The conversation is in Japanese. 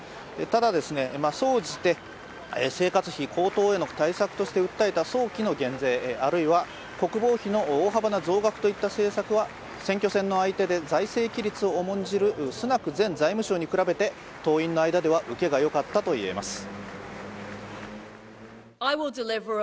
ただ、総じて生活費高騰への対策として訴えた早期の減税、あるいは国防費の大幅な増額といった政策は、選挙戦の相手で、財政規律を重んじるスナク前財務相に比べて党員の間では受けがよかったといえます。